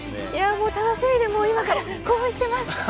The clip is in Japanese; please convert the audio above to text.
もう楽しみで、もう今から興奮してます。